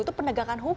itu pendegangan hukum